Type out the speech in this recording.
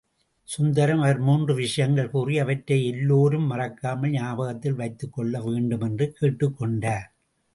சுந்தரம் அவர் மூன்று விஷயங்கள் கூறி அவற்றை எல்லோரும் மறக்காமல் ஞாபகத்தில் வைத்துக்கொள்ள வேண்டும் என்று கேட்டுக்கொண்டார்.